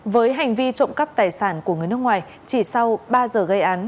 với hành vi trộm cắp tài sản của người nước ngoài chỉ sau ba giờ gây án